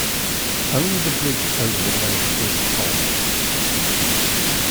Only the bridge over the lake is tolled.